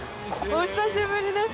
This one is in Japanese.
お久しぶりです。